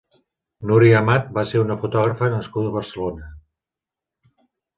Núria Amat va ser una fotògrafa nascuda a Barcelona.